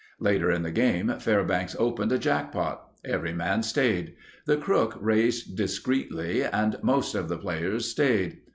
Later in the game, Fairbanks opened a jackpot. Every man stayed. The crook raised discreetly and most of the players stayed.